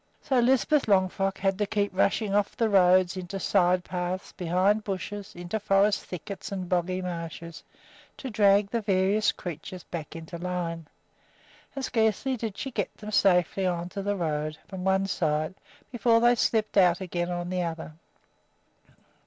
So Lisbeth Longfrock had to keep rushing off the road into side paths, behind bushes, into forest thickets and boggy marshes, to drag the various creatures back into line; and scarcely did she get them safely into the road from one side before they slipped out again on the other.